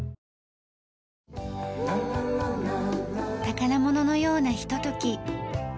宝物のようなひととき。